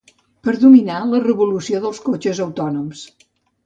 Per dominar la revolució dels cotxes autònoms.